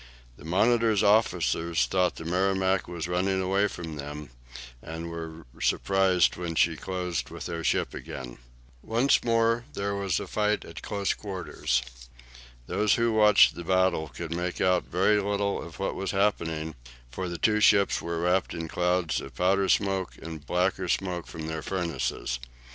The "Monitor's" officers thought the "Merrimac" was running away from them, and were surprised when she closed with their ship again. Once more there was a fight at close quarters. Those who watched the battle could make out very little of what was happening, for the two ships were wrapped in clouds of powder smoke and blacker smoke from their furnaces.